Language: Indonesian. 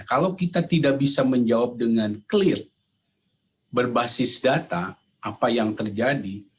kalau kita tidak bisa menjawab dengan clear berbasis data apa yang terjadi